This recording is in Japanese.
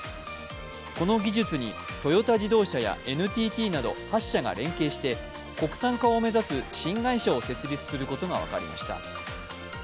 この技術にトヨタ自動車やＮＴＴなど８社が連携して国産化を目指す新会社を設立することが分かりました。